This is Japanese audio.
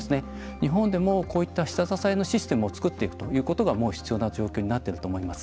日本でも、こういった下支えのシステムを作っていくことがもう必要な状況になってると思います。